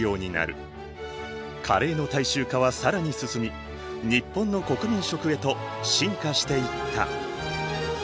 カレーの大衆化は更に進み日本の国民食へと進化していった。